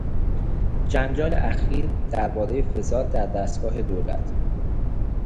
جنجال اخیر دربارهی فساد در دستگاه دولت